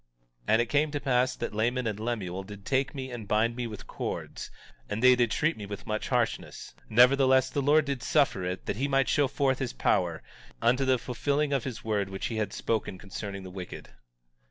18:11 And it came to pass that Laman and Lemuel did take me and bind me with cords, and they did treat me with much harshness; nevertheless, the Lord did suffer it that he might show forth his power, unto the fulfilling of his word which he had spoken concerning the wicked.